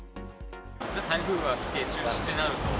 台風が来て中止になると？